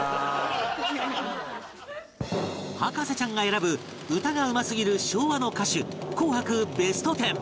博士ちゃんが選ぶ歌がうますぎる昭和の歌手紅白ベストテン